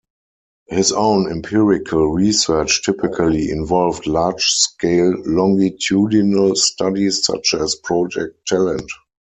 His own empirical research typically involved large-scale longitudinal studies such as Project Talent.